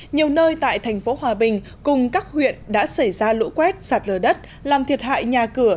nhiều nơi tại thành phố hòa bình cùng các huyện đã xảy ra lũ quét sạt lở đất làm thiệt hại nhà cửa